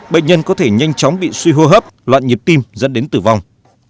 bệnh nhân có thể nhanh chóng bị suy hô hấp loạn nhịp tim dẫn đến tử vong